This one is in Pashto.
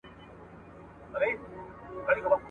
ما پخپله دا قلم جوړ کړی دی.